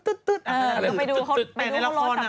ไปดูเขาโรสัมเท้า